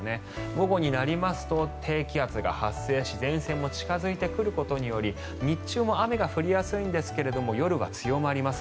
午後になりますと低気圧が発生し前線も近付いてくることにより日中も雨が降りやすいんですが夜は強まります。